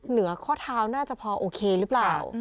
เหนือข้อเท้าน่าจะพอโอเคหรือเปล่า